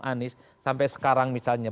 anies sampai sekarang misalnya